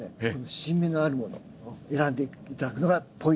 新芽のあるものを選んで頂くのがポイントになります。